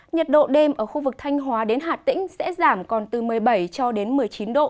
nhiệt độ đêm ở khu vực thanh hóa đến hà tĩnh sẽ giảm còn từ một mươi bảy cho đến một mươi chín độ